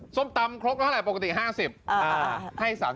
ส้มตำครบเท่าไหร่ปกติ๕๐บาท